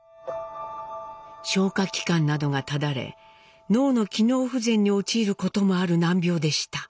消化器官などがただれ脳の機能不全に陥ることもある難病でした。